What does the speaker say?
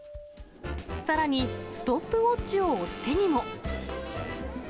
さらに、ストップウォッチを押す手にも。